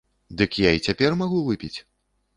Дык я і цяпер магу выпіць.